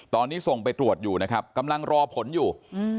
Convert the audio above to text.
ตอนนี้ส่งไปตรวจอยู่นะครับกำลังรอผลอยู่